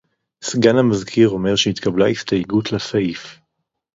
סגן המזכיר אומר שהתקבלה הסתייגות לסעיף